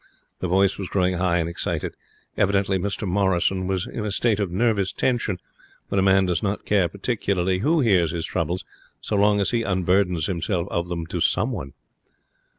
The voice was growing high and excited. Evidently Mr Morrison was in a state of nervous tension when a man does not care particularly who hears his troubles so long as he unburdens himself of them to someone.